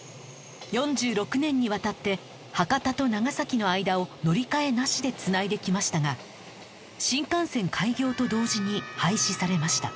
４６年にわたって博多と長崎の間を乗り換えなしでつないできましたが新幹線開業と同時に廃止されました